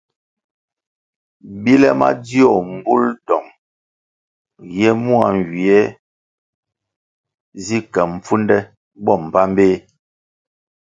Bile madzio mbul dong ye mua nywie zi ke mpfunde bo mbpambeh.